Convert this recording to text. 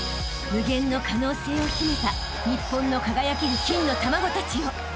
［無限の可能性を秘めた日本の輝ける金の卵たちよ］